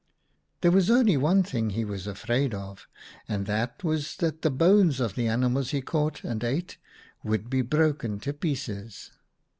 ''There was only one thing he was afraid of, and that was that the bones of the animals he caught and ate would be broken to pieces.